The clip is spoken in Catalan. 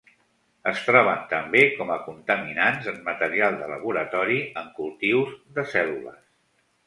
Es troben també com a contaminants en material de laboratori en cultius de cèl·lules.